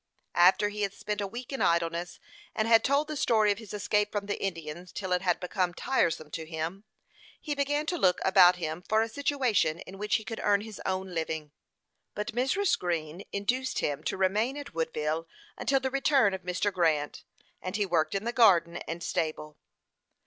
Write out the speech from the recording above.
After he had spent a week in idleness, and had told the story of his escape from the Indians till it had become tiresome to him, he began to look about him for a situation in which he could earn his own living. But Mrs. Green induced him to remain at Woodville until the return of Mr. Grant; and he worked in the garden and stable.